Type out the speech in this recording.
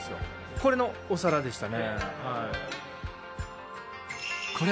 これのお皿でしたね。